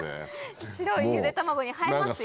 白いゆで卵に映えますよ。